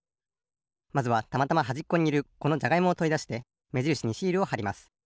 まずはたまたまはじっこにいるこのじゃがいもをとりだしてめじるしにシールをはります。